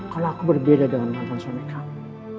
kalau aku berbeda dengan mantan suami kami